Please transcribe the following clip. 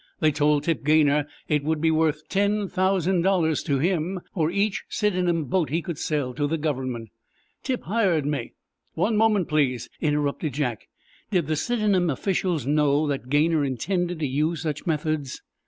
They told Tip Gaynor it would be worth ten thousand dollars to him for each Sidenham boat he could sell to the Government. Tip hired me—" "One moment, please," interrupted Jack. "Did the Sidenham officials know that Gaynor intended to use such methods?"